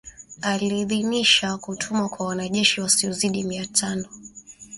Aliidhinisha kutumwa kwa wanajeshi wasiozidi mia tano